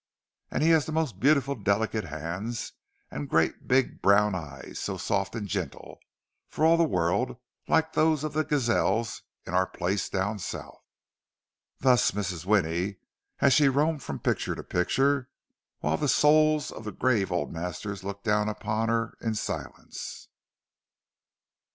And he has the most beautiful delicate hands, and great big brown eyes, so soft and gentle—for all the world like those of the gazelles in our place down South!" Thus Mrs. Winnie, as she roamed from picture to picture, while the souls of the grave old masters looked down upon her in silence.